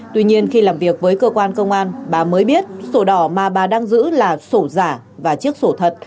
tuy nhiên khi làm việc với cơ quan công an bà mới biết sổ đỏ mà bà đang giữ là sổ giả và chiếc sổ thật